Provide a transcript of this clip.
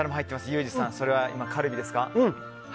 ユージさん、それは今カルビですか？